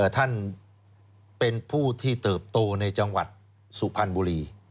ท่านเป็นผู้ที่เติบโตในจังหวัดสุพรรณบุรี